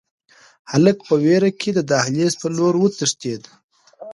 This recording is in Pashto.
هلک په وېره کې د دهلېز په لور وتښتېد.